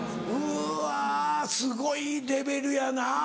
うわすごいレベルやな。